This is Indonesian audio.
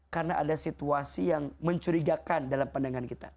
karena ada situasi yang mencurigakan dalam pandangan kita